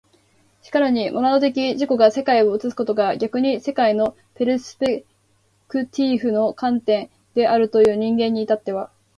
然るにモナド的に自己が世界を映すことが逆に世界のペルスペクティーフの一観点であるという人間に至っては、